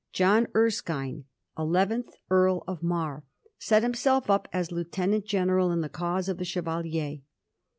John Erskine, eleventh Earl of Mar, set Idmself up as lieutenant general in the cause of the Ohevalier.